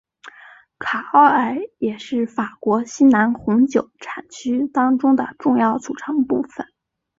卡奥尔也是法国西南红酒产区当中的重要组成部分。